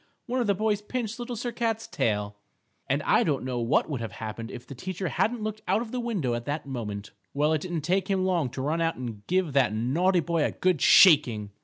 One of the boys pinched Little Sir Cat's tail. And I don't know what would have happened if the teacher hadn't looked out of the window at that moment. Well, it didn't take him long to run out and give that naughty boy a good shaking.